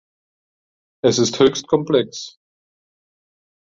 Es ist höchst komplex.